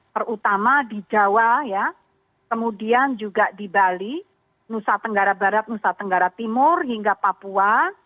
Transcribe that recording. terutama di jawa ya kemudian juga di bali nusa tenggara barat nusa tenggara timur hingga papua